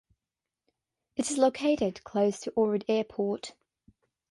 It is located close to Ohrid Airport.